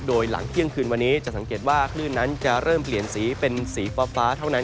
โดยหลังเที่ยงคืนวันนี้จะสังเกตว่าคลื่นนั้นจะเริ่มเปลี่ยนสีเป็นสีฟ้าเท่านั้น